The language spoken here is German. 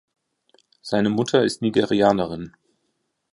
Seine Mutter ist Nigerianerin.